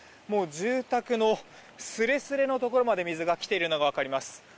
住宅のすれすれのところまで水が来ているのが分かります。